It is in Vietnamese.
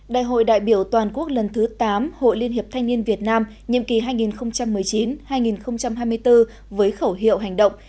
đại hội đại biểu toàn quốc lần thứ tám hội liên hiệp thanh niên việt nam nhiệm kỳ hai nghìn một mươi chín hai nghìn hai mươi bốn với khẩu hiệu hành động